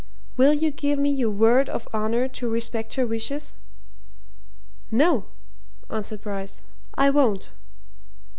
Will you give me your word of honour to respect her wishes?" "No!" answered Bryce. "I won't!"